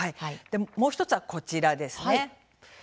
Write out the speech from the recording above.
もう１つはこちらですね。